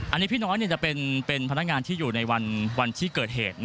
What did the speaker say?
อันนี้พี่น้อยจะเป็นพนักงานที่อยู่ในวันที่เกิดเหตุ